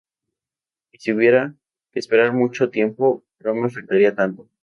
Y si hubiera que esperar mucho tiempo, no me afectaría tanto.